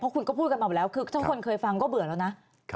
เพราะคุณก็พูดกันออกแล้วคือเช่นทุกคนเคยฟังก็เบื่อแล้วนะ